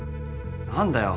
何だよ？